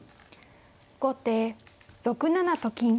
後手６七と金。